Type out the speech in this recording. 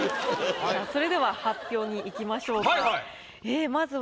それでは発表にいきましょうかえっまずは。